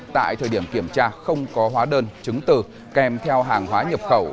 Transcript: tại thời điểm kiểm tra không có hóa đơn chứng từ kèm theo hàng hóa nhập khẩu